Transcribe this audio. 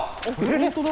本当だ！